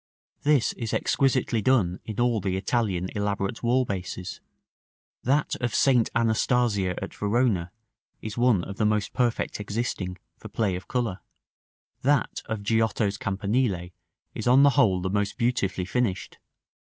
This is exquisitely done in all the Italian elaborate wall bases; that of St. Anastasia at Verona is one of the most perfect existing, for play of color; that of Giotto's campanile is on the whole the most beautifully finished.